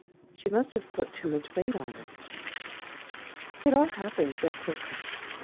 She must have put too much weight on it "It all happened so quickly.